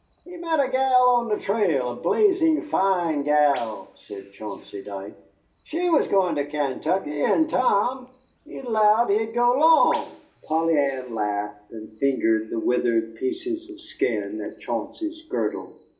"He met a gal on the trail a blazin' fine gal," said Chauncey Dike. "She was goin' to Kaintuckee. And Tom he 'lowed he'd go 'long." Polly Ann laughed, and fingered the withered pieces of skin at Chauncey's girdle.